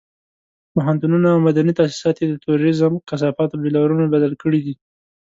پوهنتونونه او مدني تاسيسات یې د تروريزم کثافاتو بيولرونو بدل کړي دي.